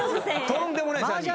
とんでもない３人。